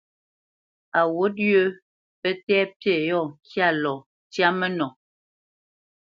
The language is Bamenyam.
A wǔt yə pə́ tɛ̂ pí yɔ̂ ŋkya lɔ ntyá mə́nɔ.